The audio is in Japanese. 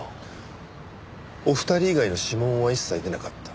お二人以外の指紋は一切出なかった。